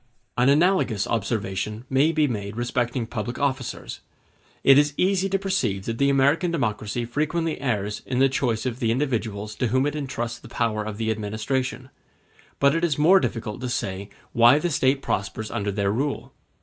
An analogous observation may be made respecting public officers. It is easy to perceive that the American democracy frequently errs in the choice of the individuals to whom it entrusts the power of the administration; but it is more difficult to say why the State prospers under their rule.